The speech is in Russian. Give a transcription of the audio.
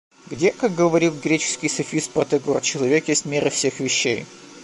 Где, как говорил греческий софист Протагор, человек есть мера всех вещей?